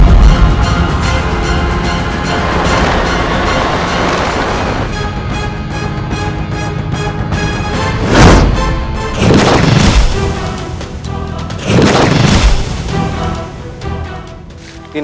kami akan menjaga keamanan kita